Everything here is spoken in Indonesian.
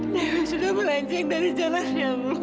dewi sudah melanceng dari jalan yang lurus